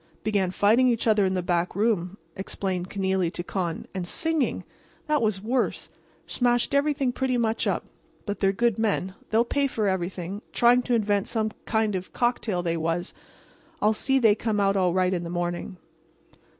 "Began fighting each other in the back room," explained Kenealy to Con. "And singing! That was worse. Smashed everything pretty much up. But they're good men. They'll pay for everything. Trying to invent some new kind of cocktail, they was. I'll see they come out all right in the morning."